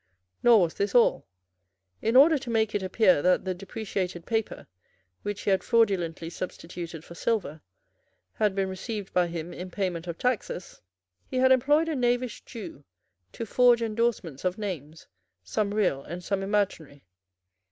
Nor was this all. In order to make it appear that the depreciated paper, which he had fraudulently substituted for silver, had been received by him in payment of taxes, he had employed a knavish Jew to forge endorsements of names, some real and some imaginary.